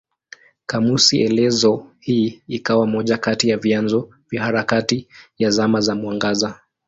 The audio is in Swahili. Kamusi elezo hii ikawa moja kati ya vyanzo vya harakati ya Zama za Mwangaza.